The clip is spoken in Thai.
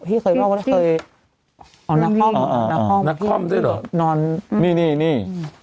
พี่เคยบอกว่าเคยอ๋อนักคล่อมอ๋อนักคล่อมนอนนี่นี่นี่